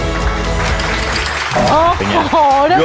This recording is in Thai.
โอ้โฮยั่วบดมาล่ะยั่วครับ